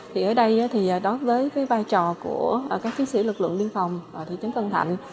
thì ở đây thì đối với cái vai trò của các chiến sĩ lực lượng biên phòng thị trấn tân thạnh